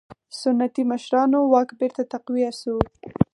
سنتي مشرانو واک بېرته تقویه شو.